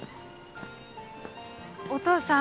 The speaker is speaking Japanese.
お父さん。